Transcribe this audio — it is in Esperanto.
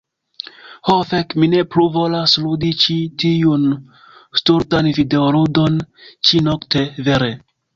Ho fek, mi ne plu volas ludi ĉi tiun stultan videoludon ĉi-nokte. Vere.